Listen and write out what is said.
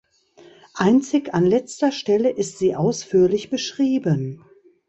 Einzig an letzter Stelle ist sie ausführlich beschrieben.